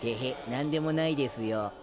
何でもないですよ。